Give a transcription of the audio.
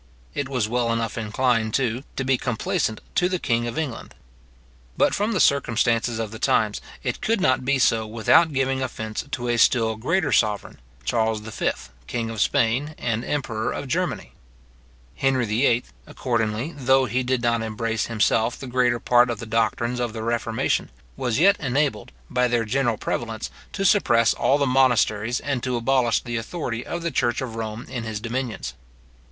It was well enough inclined, too, to be complaisant to the king of England. But from the circumstances of the times, it could not be so without giving offence to a still greater sovereign, Charles V., king of Spain and emperor of Germany. Henry VIII., accordingly, though he did not embrace himself the greater part of the doctrines of the reformation, was yet enabled, by their general prevalence, to suppress all the monasteries, and to abolish the authority of the church of Rome in his dominions.